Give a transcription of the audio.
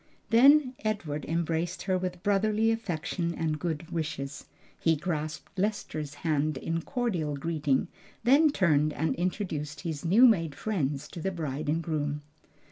Then Edward embraced her with brotherly affection and good wishes. He grasped Lester's hand in cordial greeting, then turned and introduced his new made friends to the bride and groom.